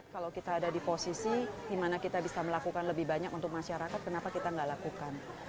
kalau kita ada di posisi di mana kita bisa melakukan lebih banyak untuk masyarakat kenapa kita nggak lakukan